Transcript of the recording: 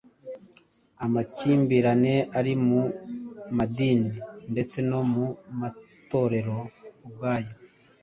amakimbirane ari mu madini ndetse no mu matorero ubwayo.